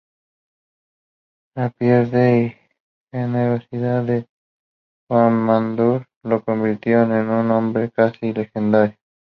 La piedad y generosidad de Guðmundur lo convirtieron en un hombre casi legendario.